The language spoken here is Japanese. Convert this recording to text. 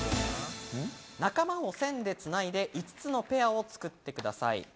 仲間を線でつないで５つのペアを作ってください。